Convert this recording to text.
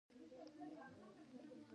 برکت الله کښېنست.